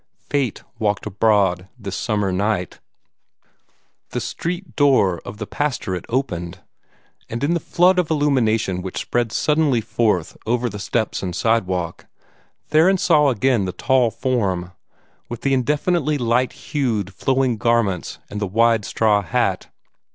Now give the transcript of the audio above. Fate walked abroad this summer night. The street door of the pastorate opened, and in the flood of illumination which spread suddenly forth over the steps and sidewalk, Theron saw again the tall form, with the indefinitely light hued flowing garments and the wide straw hat.